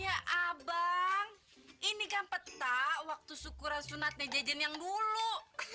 ya abang ini kan peta waktu syukuran sunatnya jajan yang dulu